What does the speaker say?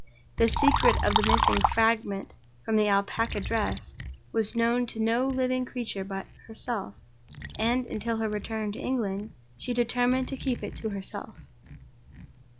The secret of the missing fragment of the Alpaca dress was known to no living creature but herself; and, until her return to England, she determined to keep it to herself.